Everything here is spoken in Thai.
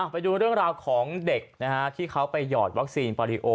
ไปดูเรื่องราวของเด็กที่เขาไปหยอดวัคซีนปาริโอ